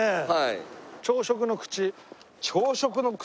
朝食の口？